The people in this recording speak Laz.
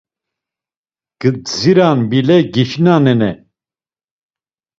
Gdziran bile giçinanene.